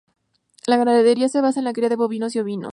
La ganadería se basa e la cría de bovinos y ovinos.